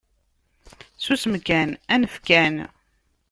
Susem kan, anef kan.